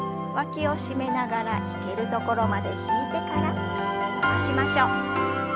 わきを締めながら引けるところまで引いてから伸ばしましょう。